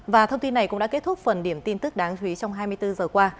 và thông tin này cũng đã kết thúc phần điểm tin tức đáng chú ý trong hai mươi bốn giờ qua